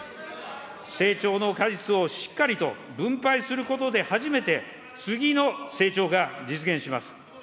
成長の果実をしっかりと分配することで初めて、次の成長が実現します。